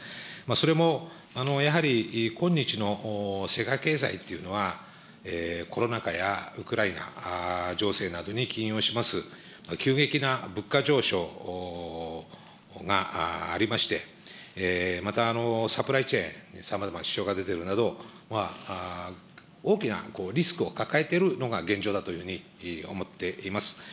それもやはり、今日の世界経済というのは、コロナ禍やウクライナ情勢などに起因をします、急激な物価上昇がありまして、また、サプライチェーン、さまざま支障が出ているなど、大きなリスクを抱えているのが現状だというふうに思っています。